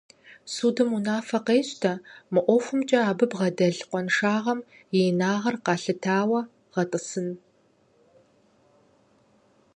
Судым унафэ къещтэ: мы ӀуэхумкӀэ абы бгъэдэлъ къуаншагъэм и инагъыр къэлъытауэ гъэтӀысын!